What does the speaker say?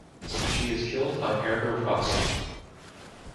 She is killed by Ergo Proxy.